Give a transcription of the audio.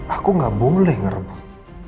aku nggak boleh ngerebut